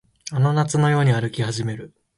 あの夏のように歩き始める